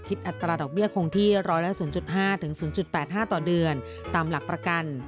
อัตราดอกเบี้ยคงที่๑๐๕๐๘๕ต่อเดือนตามหลักประกัน